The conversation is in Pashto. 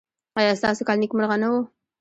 ایا ستاسو کال نیکمرغه نه و؟